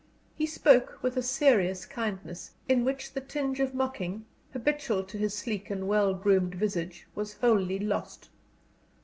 He spoke with a serious kindness in which the tinge of mocking habitual to his sleek and well groomed visage was wholly lost.